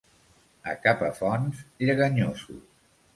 A Capafonts, lleganyosos.